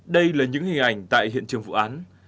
đây là những hình ảnh tại hiện trường vụ án